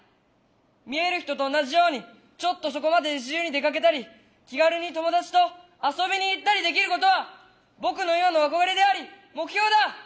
見える人と同じようにちょっとそこまで自由に出かけたり気軽に友達と遊びに行ったりできることは僕の今の憧れであり目標だ。